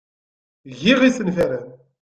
Giɣ isenfaren.